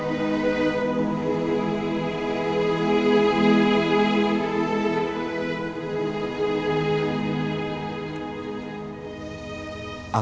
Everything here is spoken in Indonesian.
saya cuma pecundang